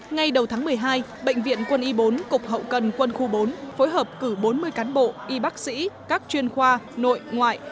ngay đầu tháng một mươi hai bệnh viện quân y bốn cục hậu cần quân khu bốn phối hợp cử bốn mươi cán bộ y bác sĩ các chuyên khoa nội ngoại